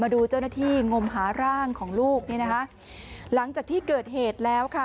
ดูเจ้าหน้าที่งมหาร่างของลูกนี่นะคะหลังจากที่เกิดเหตุแล้วค่ะ